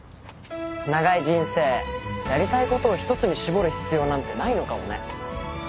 長い人生やりたいことを一つにしぼる必要なんてないのかもね。